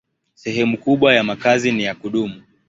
Sehemu kubwa ya makazi ni ya kudumu.